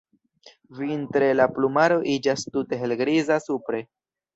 Vintre la plumaro iĝas tute helgriza supre.